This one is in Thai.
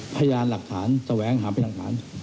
พยานหลักฐานแสวงหาเป็นหลักฐาน